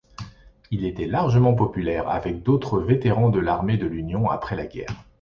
Il était largement populaire avec d'autres vétérans de l'armée de l'Union après la guerre.